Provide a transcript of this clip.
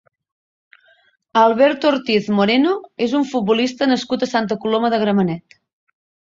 Alberto Ortiz Moreno és un futbolista nascut a Santa Coloma de Gramenet.